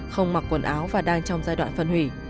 không mặc quần áo và đang trong giai đoạn phân hủy